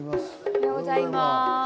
おはようございます。